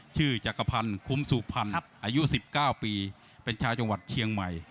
จักรพันธ์คุ้มสุพรรณอายุ๑๙ปีเป็นชาวจังหวัดเชียงใหม่